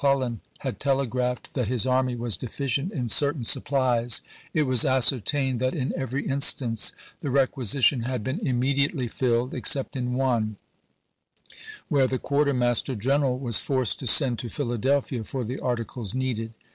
OH Several occasions when General McClellan had telegraphed that his army was deficient in certain supplies, it was ascertained that in every instance the requisition had been immediately filled, except in one, where the Quartermaster G en eral was forced to send to Philadelphia for the articles needed.